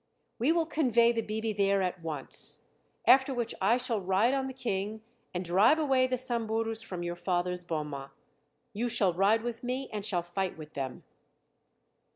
we will convey the 'bibi' there at once, after which I shall ride on the King and drive away the Samburus from your father's boma. You shall ride with me and shall fight with them."